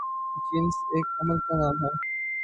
جنس ایک عمل کا نام ہے